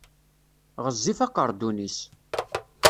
Ɣezzif aqerdun-is.